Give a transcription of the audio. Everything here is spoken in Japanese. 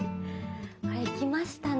これ行きましたね